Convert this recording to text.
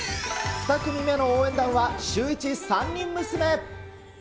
２組目の応援団は、シューイチ３人娘。